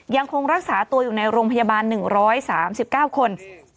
ยังคงรักษาตัวอยู่ในโรงพยาบาล๑๓๙คน